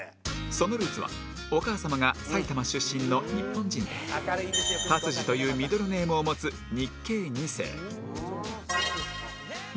そのルーツはお母様が埼玉出身の日本人でタツジというミドルネームを持つ日系二世